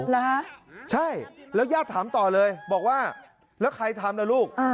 เหรอฮะใช่แล้วญาติถามต่อเลยบอกว่าแล้วใครทำล่ะลูก